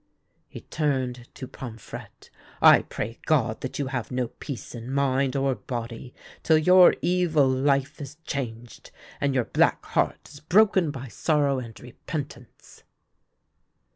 He turned to Pomfrette. " I pray God that you have no peace in mind or body till your evil life is changed, and your black heart is broken by sorrow and repentance."